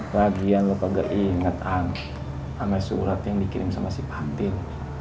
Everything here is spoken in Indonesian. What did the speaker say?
lagian lo kok gak inget ang sama surat yang dikirim sama si fatin